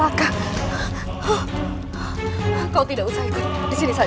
jangan tahu hadiahmu